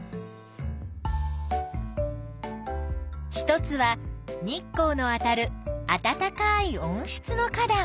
一つは日光のあたるあたたかい温室の花だん。